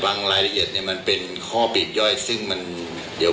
รายละเอียดเนี่ยมันเป็นข้อเปลี่ยนย่อยซึ่งมันเดี๋ยว